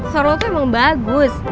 suara lo tuh emang bagus